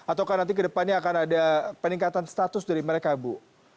atau nanti ke depannya akan ada peningkatan status dari mereka bu